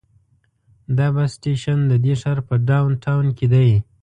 دا بس سټیشن د دې ښار په ډاون ټاون کې دی.